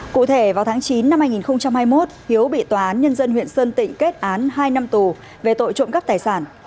cụ thể vào tháng chín năm hai nghìn hai mươi một hiếu bị tòa án nhân dân huyện sơn tịnh kết án hai năm tù về tội trộm cắp tài sản